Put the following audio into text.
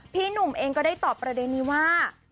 พี่หนุ่มเองก็ได้ตอบประเด็นนี้ว่า